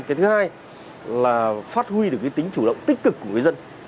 cái thứ hai là phát huy được cái tính chủ động tích cực của người dân